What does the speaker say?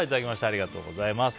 ありがとうございます。